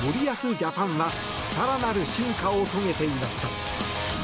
ジャパンは更なる進化を遂げていました。